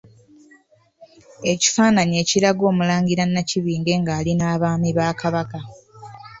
Ekifaananyi ekiraga Omulangira Nakibinge nga ali n'Abaami ba Kabaka.